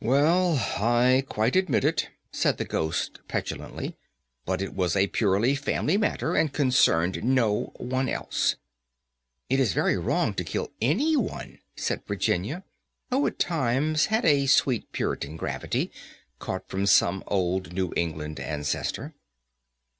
"Well, I quite admit it," said the Ghost, petulantly, "but it was a purely family matter, and concerned no one else." "It is very wrong to kill any one," said Virginia, who at times had a sweet puritan gravity, caught from some old New England ancestor.